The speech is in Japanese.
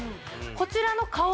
こちらの顔